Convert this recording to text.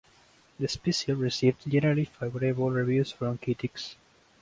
The special received generally favorable reviews from critics.